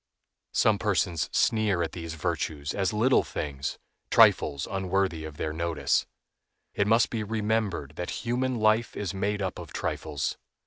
Some persons sneer at these virtues as little things, trifles unworthy of their notice. It must be remembered that human life is made up of trifles.